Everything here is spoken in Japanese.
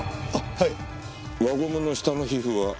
はい。